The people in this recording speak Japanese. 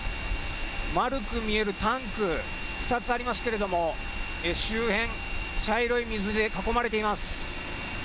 丸く見えるタンク、２つありますけれども周辺、茶色い水で囲まれています。